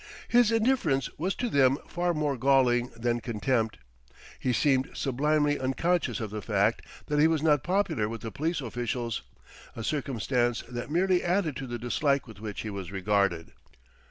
His indifference was to them far more galling than contempt. He seemed sublimely unconscious of the fact that he was not popular with the police officials, a circumstance that merely added to the dislike with which he was regarded.